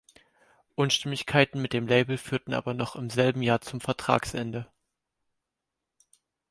Unstimmigkeiten mit dem Label führten aber noch im selben Jahr zum Vertragsende.